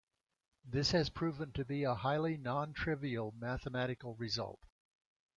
This has proven to be a highly non-trivial mathematical result.